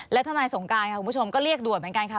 และทนายสงการค่ะคุณผู้ชมก็เรียกด่วนเหมือนกันค่ะ